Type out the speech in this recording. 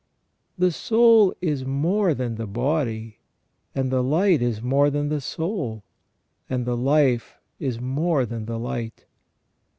The soul is more than the body, and the light is more than the soul, and the life is more than the light.